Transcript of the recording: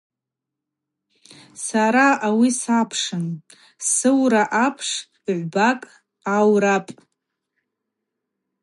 Сара ауи сапшын – сыура апш гӏвбакӏ аурапӏ.